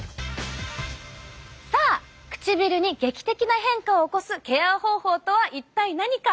さあ唇に劇的な変化を起こすケア方法とは一体何か。